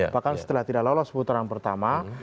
bahkan setelah tidak lolos putaran pertama